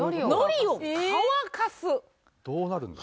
どうなるんだ？